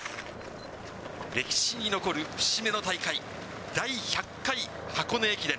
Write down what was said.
歴史に残る節目の大会、第１００回箱根駅伝。